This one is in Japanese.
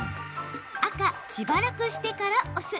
赤・しばらくしてから押す。